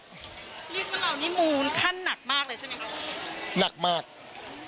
ภาพมีคุ้มเหมาะคลั้นหนักมากเลยใช่ไหมครับ